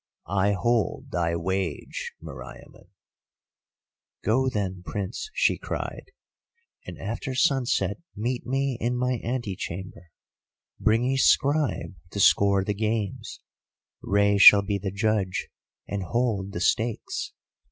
I hold thy wage, Meriamun!' "'Go then, Prince,' she cried, 'and after sunset meet me in my antechamber. Bring a scribe to score the games; Rei shall be the judge, and hold the stakes.